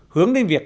hướng đến việc